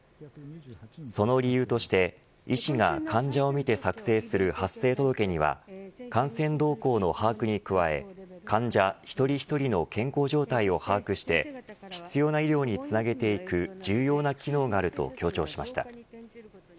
その理由として医師が患者を診て作成する発生届には感染動向の把握に加え患者一人一人の健康状態を把握して必要な医療につなげていく重要な機能があると強調しました。